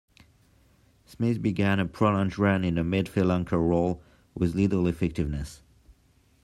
Smith began a prolonged run in the midfield 'anchor' role, with little effectiveness.